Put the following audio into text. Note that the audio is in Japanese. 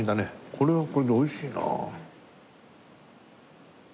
これはこれで美味しいなあ。